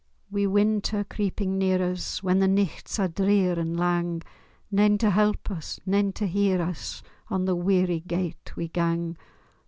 Wi' winter creepin' near us, When the nichts are drear and lang, Nane to help us, nane to hear us, On the weary gate we gang!